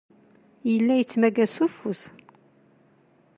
Yella yettmagga s ufus.